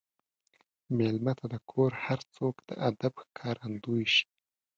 مېلمه ته د کور هر څوک د ادب ښکارندوي شي.